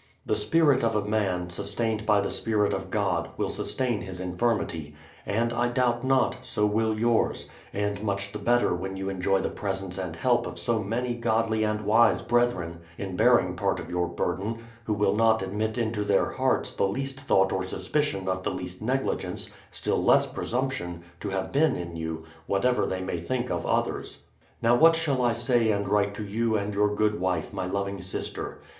The spirit of a man, sustained by the spirit of God, will sustain his infirmity, and, I doubt not, so will yours ; and much the better when you enjoy the presence and help of so many godly and wise brethren, in bearing part of 3'our burden, who will not admit into their hearts the least thought or suspicion of the least negligence, still less presumption, to have been in you, whatever they may think of others. Now what shall I say and write to you and your good wife, my loving sister?